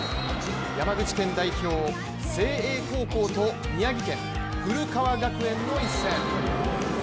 山口県代表・誠英高校と宮城県・古川学園の一戦。